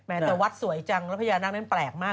แต่วัดสวยจังแล้วพญานาคนั้นแปลกมาก